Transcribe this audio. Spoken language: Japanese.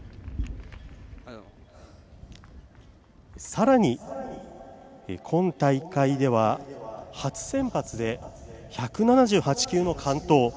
さらに今大会では初先発で１７８球の完投。